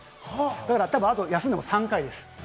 だから、あとは休んでも３回です。